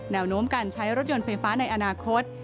แนวโน้มการใช้รถยนต์ไฟฟ้าในอนาคต